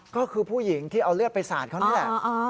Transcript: ก็คือผู้หญิงที่เอาเลือดไปสาดเขานี่แหละ